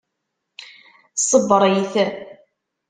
Ṣebbeṛ-it.